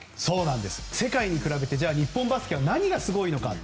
世界に比べて日本バスケは何がすごいのか。